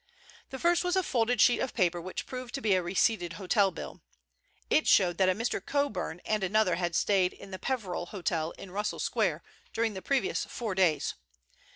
The first was a folded sheet of paper which proved to be a receipted hotel bill. It showed that a Mr. Coburn and another had stayed in the Peveril Hotel in Russell Square during the previous four days.